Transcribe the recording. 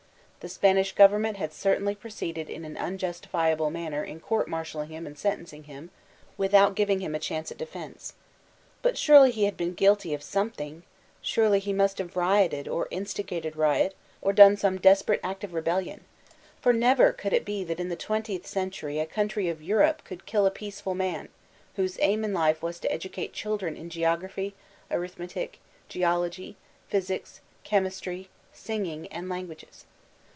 The Spanish government had certainly proceeded in an unjus tifiable manner in court martialing him and sentencing 298 VOLTAIUNE DE CLEHtB him without giving him a chance at defense. But mrely he had been guilty of something; surely he must have rioted, or instigated riot, or done some desperate act of rebellion; for never could it be that in the twentieth century a country of Europe could kill a peaceful man whose aim in life was to educate children in geography, arithmetic, geology, physics, chemistry, singing, and languages.